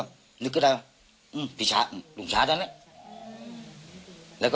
ผมค่ะเหลือ